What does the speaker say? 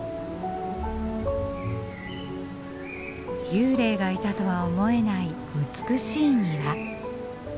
幽霊がいたとは思えない美しい庭。